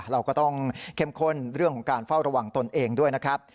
เราก็ต้องเข้มข้นเรื่องของการเฝ้าระวังตนเองด้วยนะครับ